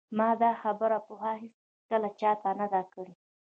ما دا خبره پخوا هیڅکله چا ته نه ده کړې